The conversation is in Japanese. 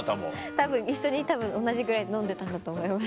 たぶん一緒に同じぐらい飲んでたんだと思います。